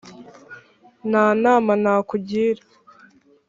nta nama nakugira.